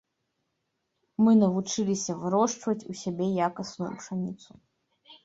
Мы навучыліся вырошчваць у сябе якасную пшаніцу.